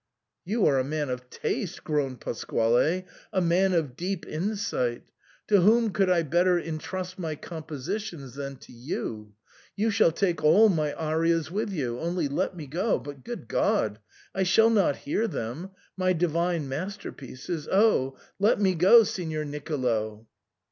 "You are a man of taste," groaned Pasquale, — "a man of deep insight. To whom could I better intrust my compositions than to you ? You shall take all my arias with you. Only let me go. But, good God ! I shall not hear them — my divine masterpieces ! Oh ! let me go, Signor Nicolo."